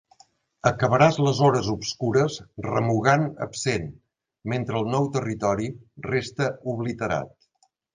Acabaràs les hores obscures remugant absent mentre el nou territori resta obliterat.